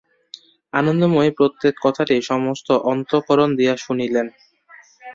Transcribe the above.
আনন্দময়ী প্রত্যেক কথাটি সমস্ত অন্তঃকরণ দিয়া শুনিলেন।